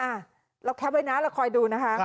อ่าเราแคปไว้นานแล้วคอยดูนะคะ